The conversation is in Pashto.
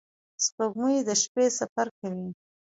• سپوږمۍ د شپې سفر کوي.